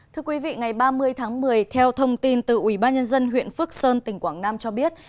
thưa quý vị ngày ba mươi tháng một mươi theo thông tin từ ủy ban nhân dân huyện phước sơn tỉnh quảng nam cho biết